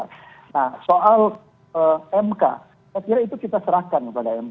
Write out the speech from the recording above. nah soal mk saya kira itu kita serahkan kepada mk